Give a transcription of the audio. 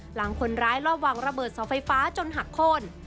หลังคนร้ายรอบวางระเบิดเสาไฟฟ้าจนหักโค้น